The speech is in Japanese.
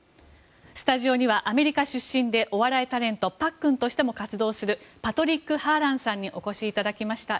スタジオにはアメリカ出身でお笑いタレントパックンとしても活動するパトリック・ハーランさんにお越しいただきました。